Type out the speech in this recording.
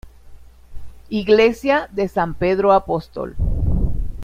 Iglesia de San Pedro Apóstol.